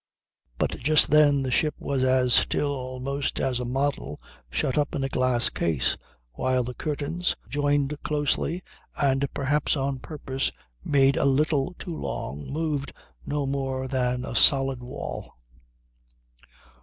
But just then the ship was as still almost as a model shut up in a glass case while the curtains, joined closely, and, perhaps on purpose, made a little too long moved no more than a solid wall."